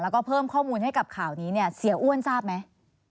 แล้วก็เพิ่มข้อมูลให้กับข่าวนี้เนี่ยเสียอ้วนทราบไหม